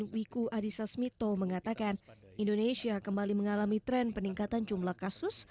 wiku adhisa smito mengatakan indonesia kembali mengalami tren peningkatan jumlah kasus